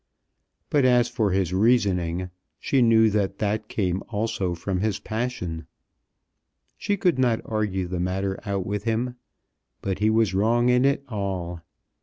But as for his reasoning, she knew that that came also from his passion. She could not argue the matter out with him, but he was wrong in it all.